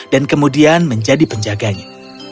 dan kemudian menjadi penjaganya